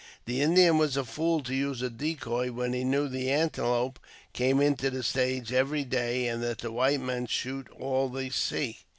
The Indian was a fool to use a decoy when he knew the antelope came into the sage every day, and that the white men shoot all they see."